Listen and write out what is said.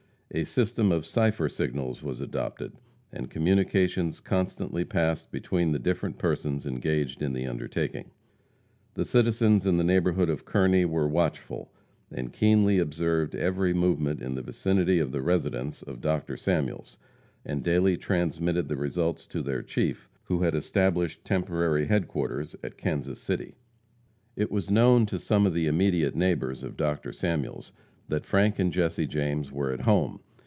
A system of cipher signals was adopted, and communications constantly passed between the different persons engaged in the undertaking. The citizens in the neighborhood of Kearney were watchful, and keenly observed every movement in the vicinity of the residence of Dr. Samuels, and daily transmitted the results to their chief, who had established temporary headquarters at Kansas City. It was known to some of the immediate neighbors of Dr. Samuels that Frank and Jesse James were at home.